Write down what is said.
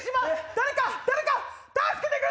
誰か誰か助けてくれ！